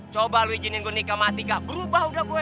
coba lu izinin gue nikah mati gak berubah udah gue